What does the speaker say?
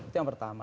itu yang pertama